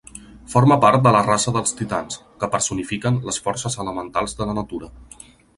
Forma part de la raça dels Titans, que personifiquen les forces elementals de la natura.